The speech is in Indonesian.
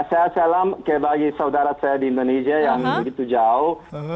saya salam bagi saudara saya di indonesia yang begitu jauh